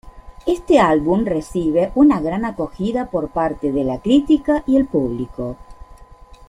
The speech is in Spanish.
Este álbum recibe una gran acogida por parte de la crítica y público.